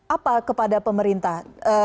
apa kepada pemerintah